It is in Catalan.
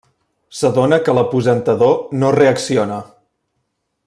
S’adona que l’aposentador no reacciona.